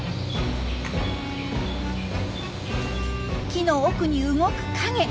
木の奥に動く影。